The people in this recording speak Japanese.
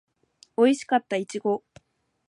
おいしかったいちご